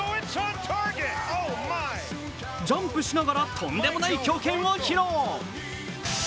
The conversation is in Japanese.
ジャンプしながらとんでもない強肩を披露。